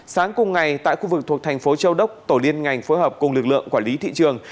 sáng cùng ngày tại khu vực thuộc thành phố châu đốc tổ liên ngành phối hợp cùng lực lượng quản lý thị trường